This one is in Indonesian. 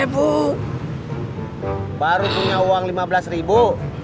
ibu baru punya uang lima belas ribu